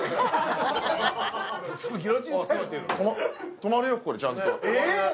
止まるよ、ここでちゃんと。